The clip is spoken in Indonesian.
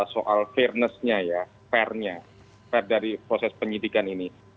soal fairness nya ya fairnya fair dari proses penyidikan ini